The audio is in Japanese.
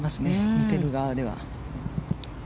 見てる側は。